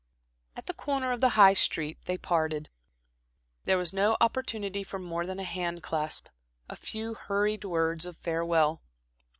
At the corner of the High Street they parted. There was no opportunity for more than a hand clasp, a few hurried words of farewell.